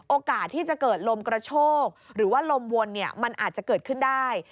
โอกาสที่จะเกิดลมกระโชกหรือว่าลมวนมันอาจจะเกิดขึ้นได้